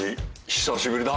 久しぶりだ。